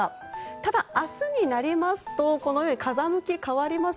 ただ、明日になりますとこのように風向き、変わります。